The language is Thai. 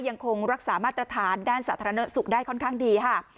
ยังคงรักษามาตรฐานด้านสาธารณสุขได้ค่อนข้างดีค่ะ